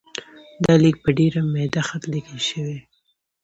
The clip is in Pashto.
دا لیک په ډېر میده خط لیکل شوی.